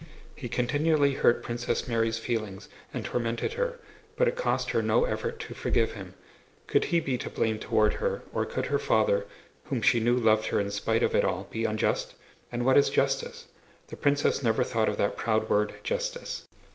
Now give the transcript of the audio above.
He continually hurt Princess Mary's feelings and tormented her, but it cost her no effort to forgive him. Could he be to blame toward her, or could her father, whom she knew loved her in spite of it all, be unjust? And what is justice? The princess never thought of that proud word "justice."